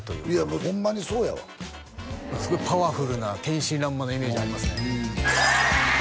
もうホンマにそうやわ何かすごいパワフルな天真爛漫なイメージありますね